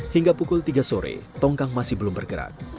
hingga pukul tiga sore tongkang masih belum bergerak